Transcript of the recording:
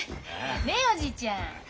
ねえおじいちゃん。